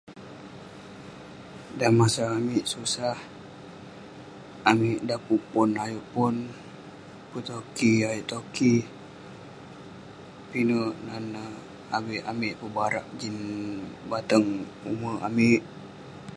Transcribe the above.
Dan masa amik susah, amik dan pun pon ayuk pon ; pun toki, ayuk toki. Pinek nan neh. Avik amik pebarak jin batang ume' amik.